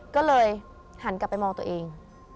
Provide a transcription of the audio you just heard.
ก็เลยหันกลับไปมองตัวเอง